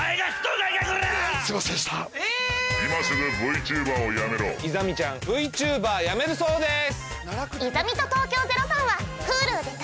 イザミちゃんＶＴｕｂｅｒやめるそうです。